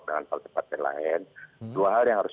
dengan partai partai lain dua hal yang harus